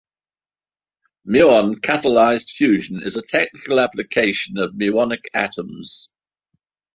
Muon-catalyzed fusion is a technical application of muonic atoms.